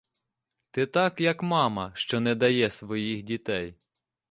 Ти так, як мама, що не дає своїх дітей.